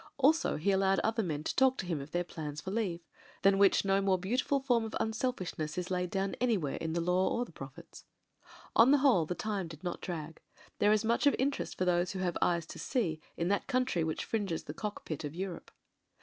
Also, he al lowed other men to talk to him of their plans for leave : than which no more beautiful form of unselfishness is laid down an3rwhere in the Law or the Prophets. On the whole the time did not drag. There is much of interest for those who have eyes to see in that coun try which fringes the Cock Pit of Europe.